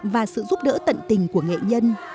và sự giúp đỡ tận tình của nghệ nhân